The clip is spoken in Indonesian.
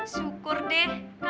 syukur deh kapan aja